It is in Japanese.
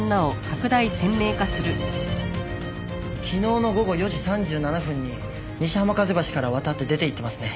昨日の午後４時３７分に西浜風橋から渡って出ていってますね。